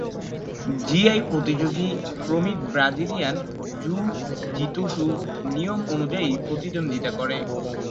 GI প্রতিযোগী প্রমিত Brazilian jiu-jitsu নিয়ম অনুযায়ী প্রতিদ্বন্দ্বিতা করে।